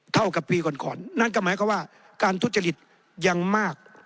เท่ากับปีก่อนก่อนนั่นก็หมายความว่าการทุจริตยังมาก